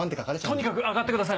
とにかく上がってください。